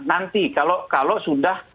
nanti kalau sudah